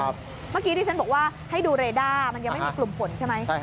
เมื่อกี้ที่ฉันบอกว่าให้ดูเรด้ามันยังไม่มีกลุ่มฝนใช่ไหม